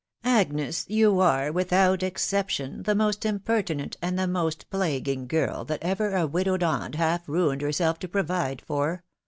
" Agnes, you are, without exception, the most impertinent and the most plaguing girl that ever a widowed aunt half ruined herself to provide for